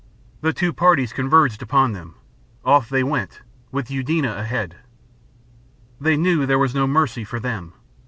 The two parties converged upon them. Off they went, with Eudena ahead. They knew there was no mercy for them.